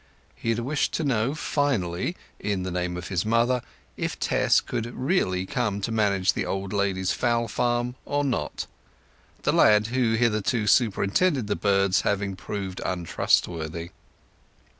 He had wished to know, finally, in the name of his mother, if Tess could really come to manage the old lady's fowl farm or not; the lad who had hitherto superintended the birds having proved untrustworthy.